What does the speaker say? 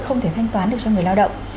không thể thanh toán được cho người lao động